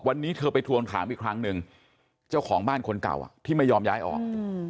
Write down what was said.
วันนี้เธอไปทวงถามอีกครั้งหนึ่งเจ้าของบ้านคนเก่าที่ไม่ยอมย้ายออก